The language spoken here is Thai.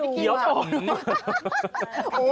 ขอเหลียวอ่ะ